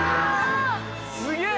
◆すげえ！